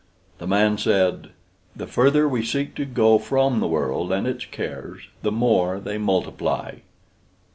The man said, "The further we seek to go from the world and its cares, the more they multiply!"